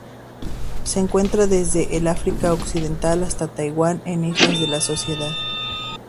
Se encuentra desde el África Oriental hasta Taiwán e Islas de la Sociedad.